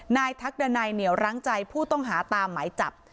ทักดันัยเหนียวร้างใจผู้ต้องหาตามหมายจับ